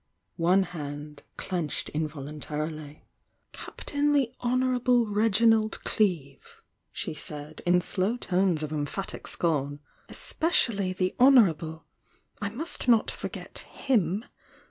One hand clenched involuntarily. "Captain the Honourable Reginald Cleevel" she said, in slow tones of emphatin scorn— "Especially the Honourable! I must not forget him!